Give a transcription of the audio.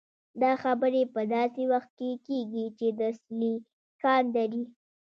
دا خبرې په داسې وخت کې کېږي چې د 'سیليکان درې'.